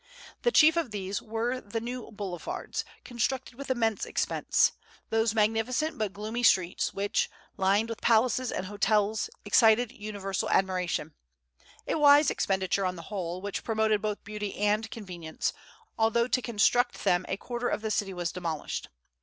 The chief of these were the new boulevards, constructed with immense expense, those magnificent but gloomy streets, which, lined with palaces and hotels, excited universal admiration, a wise expenditure on the whole, which promoted both beauty and convenience, although to construct them a quarter of the city was demolished.